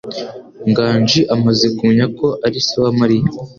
Nganji amaze kumenya ko ari se wa Mariya.